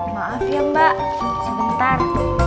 maaf ya mbak sebentar